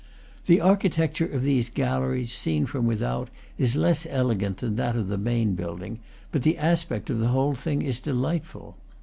The architecture of these galleries, seen from without, is less elegant than that of the main building, but the aspect of the whole thing is delightful.